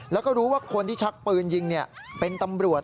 แล้วก็รู้ว่าคนที่ชักปืนยิงเป็นตำรวจ